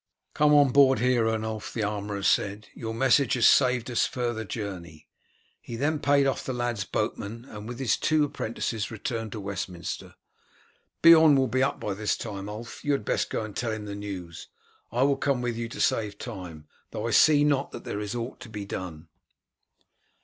"Come on board here, Ernulf," the armourer said, "your message has saved us further journey." He then paid off the lad's boatman, and with his two apprentices returned to Westminster. "Beorn will be up by this time, Ulf. You had best go and tell him the news. I will come with you to save time, though I see not that there is aught to be done."